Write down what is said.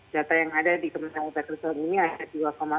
jata yang ada di kementerian pekerjaan ini ada dua satu juta